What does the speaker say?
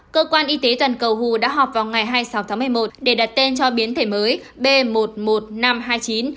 cơ quan y tế toàn cầu hu đã họp vào ngày hai mươi sáu tháng một mươi một để đặt tên cho biến thể mới b một mươi một nghìn năm trăm hai mươi chín